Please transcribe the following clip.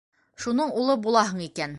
Шуның улы булаһың икән.